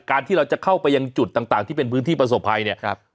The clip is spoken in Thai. ที่เราจะเข้าไปยังจุดต่างที่เป็นพื้นที่ประสบภัยเนี่ย